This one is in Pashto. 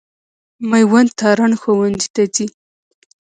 مېوند تارڼ ښوونځي ته ځي.